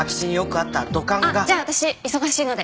あっじゃあ私忙しいので。